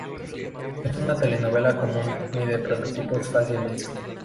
No es una telenovela común, ni de prototipos fáciles.